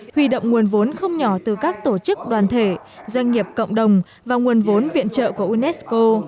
huy động nguồn vốn không nhỏ từ các tổ chức đoàn thể doanh nghiệp cộng đồng và nguồn vốn viện trợ của unesco